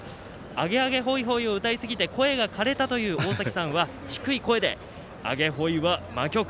「アゲアゲホイホイ」を歌いすぎて、声がかれたというおおさきさんは低い声で「アゲホイ」は魔曲。